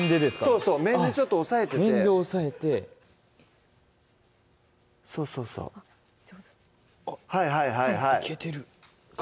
そうそう面でちょっと押さえてて面で押さえてそうそうそう上手いけてるかな？